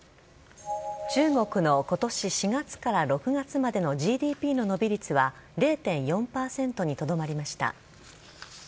中国の今年４月から６月までのＧＤＰの伸び率は０．４％にとどまりました。